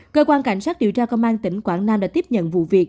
cơ quan cảnh sát điều tra công an tỉnh quảng nam đã tiếp nhận vụ việc